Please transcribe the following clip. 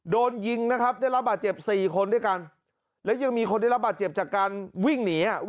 โดนยิงนะครับได้รับบาดเจ็บสี่คนด้วยกันและยังมีคนได้รับบาดเจ็บจากการวิ่งหนี